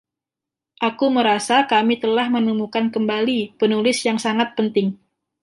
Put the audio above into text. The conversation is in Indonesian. Aku merasa kami telah menemukan kembali penulis yang sangat penting.